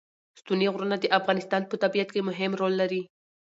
ستوني غرونه د افغانستان په طبیعت کې مهم رول لري.